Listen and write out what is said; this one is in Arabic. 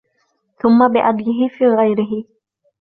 ثُمَّ بِعَدْلِهِ فِي غَيْرِهِ